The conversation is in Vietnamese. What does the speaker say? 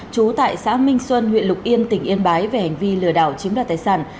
trú tại xã minh xuân huyện lục yên tỉnh yên bái về hành vi lừa đảo chiếm đoạt tài sản